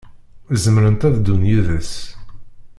Zemrent ad ddun yid-s.